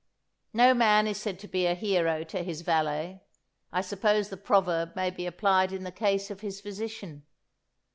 No man is said to be a hero to his valet; I suppose the proverb may be applied in the case of his physician.